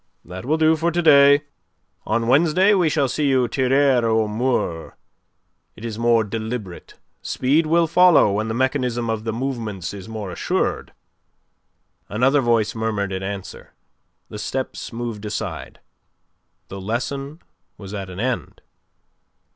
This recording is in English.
That will do for to day. On Wednesday we shall see you tirer au mur. It is more deliberate. Speed will follow when the mechanism of the movements is more assured." Another voice murmured in answer. The steps moved aside. The lesson was at an end.